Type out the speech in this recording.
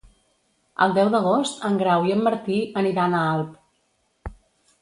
El deu d'agost en Grau i en Martí aniran a Alp.